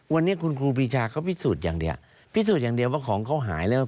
วันนี้คุณครูปีชาเขาพิสูจน์อย่างเดียวพิสูจน์อย่างเดียวว่าของเขาหายแล้ว